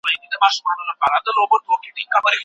موجي شوک چاپیریال اغېزمنوي.